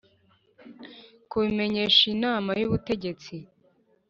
kubimenyesha Inama y Ubutegetsi